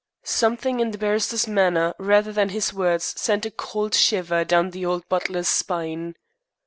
Something in the barrister's manner rather than his words sent a cold shiver down the old butler's spine.